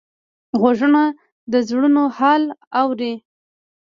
غوږونه د زړونو حال اوري